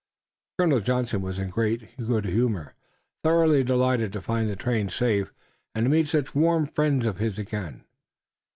Colonel Johnson was in great good humor, thoroughly delighted to find the train safe and to meet such warm friends of his again.